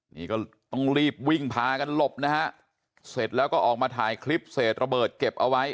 นี่ก็ต้องรีบวิ่งพากันหลบนะฮะเสร็จแล้วก็ออกมาถ่ายคลิปเศษระเบิดเก็บเอาไว้